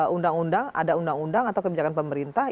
undang undang ada undang undang atau kebijakan pemerintah